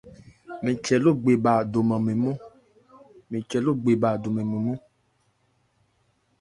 Mɛn che Logbe bha dɔnman mɛn nmɔ́n.